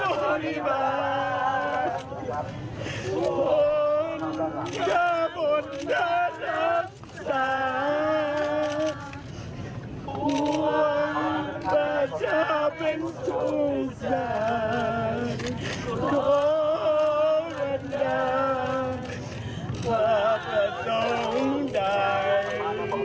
โทษละนักว่าเกิดต้องได้